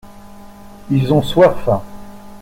Ils ont soif.